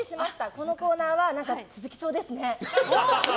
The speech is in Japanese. このコーナーは続きそうですね。